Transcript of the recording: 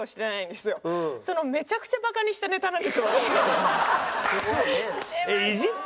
めちゃくちゃバカにしたネタなんですよ私を。